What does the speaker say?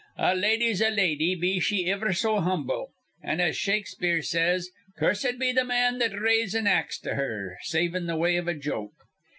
A lady's a lady, be she iver so humble; an', as Shakespeare says, cursed be th' man that'd raise an ax to her, save in th' way iv a joke.